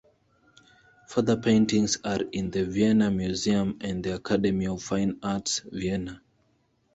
Further paintings are in the Vienna Museum and the Academy of Fine Arts Vienna.